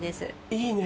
いいね。